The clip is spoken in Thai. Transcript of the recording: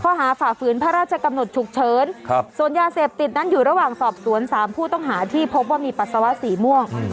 ฝ่าฝืนพระราชกำหนดฉุกเฉินส่วนยาเสพติดนั้นอยู่ระหว่างสอบสวน๓ผู้ต้องหาที่พบว่ามีปัสสาวะสีม่วง